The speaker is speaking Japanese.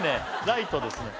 ライトですね